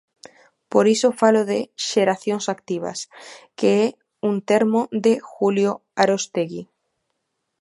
Por iso falo de "xeracións activas", que é un termo de Julio Aróstegui.